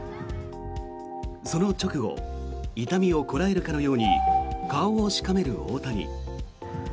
その直後痛みをこらえるかのように顔をしかめる大谷。